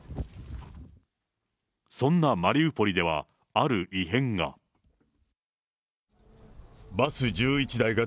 そんなマリウポリでは、ある異変が。